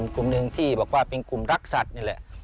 กลุ่มหนึ่งที่บอกว่าเป็นกลุ่มรักสัตว์นี่แหละ